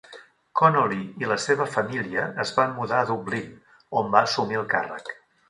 Connolly i la seva família es van mudar a Dublín, on va assumir el càrrec.